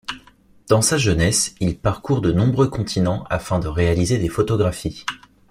Dans sa jeunesse, il parcourt de nombreux continents afin de réaliser des photographies.